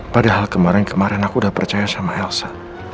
padahal kemarin kemarin aku udah percaya sama elsa